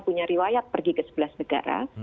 punya riwayat pergi ke sebelas negara